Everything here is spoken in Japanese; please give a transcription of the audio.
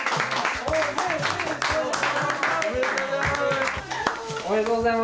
おめでとうございます。